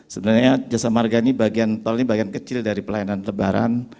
sebenarnya jasa marga ini bagian tol ini bagian kecil dari pelayanan lebaran